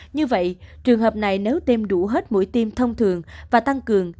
như vậy trường hợp này nếu tiêm đủ hết mũi tiêm thông thường và tăng cường